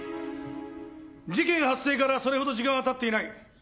事件発生からそれほど時間は経っていない。